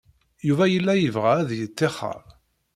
Yuba yella yebɣa ad yettixer.